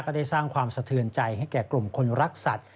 ได้สร้างความสะเทือนใจให้แก่กลุ่มคนรักสัตว